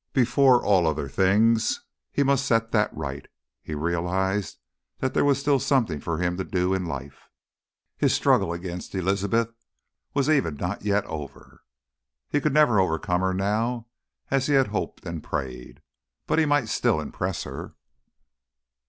Before all other things he must set that right. He realised that there was still something for him to do in life, his struggle against Elizabeth was even yet not over. He could never overcome her now, as he had hoped and prayed. But he might still impress her!